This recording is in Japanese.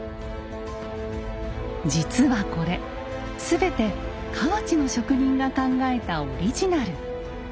実はこれ全て河内の職人が考えたオリジナル。